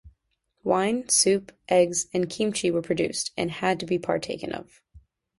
Wine, soup, eggs, and kimchi were produced, and had to be partaken of.